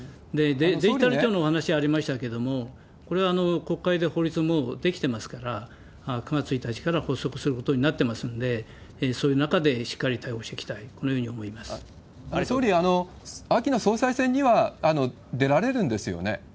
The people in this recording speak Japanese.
デジタル庁のお話ありましたけれども、これは国会で法律、もう出来てますから、９月１日から発足することになってますので、そういう中でしっかり対応していきた総理、秋の総裁選には出られるんですよね？